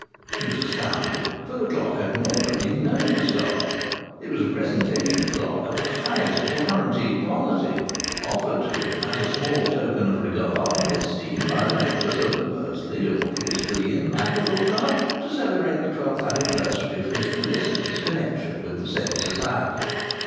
He was astounded. For the clock had never been known to stop. It was a presentation clock, of the highest guaranteed quality, offered to him as a small token of regard and esteem by the members of the Bursley Orpheus Glee and Madrigal Club to celebrate the twelfth anniversary of his felicitous connection with the said society.